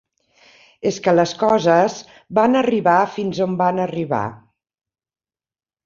És que les coses van arribar fins on van arribar.